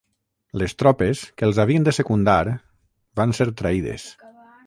Les tropes, que els havien de secundar van ser traïdes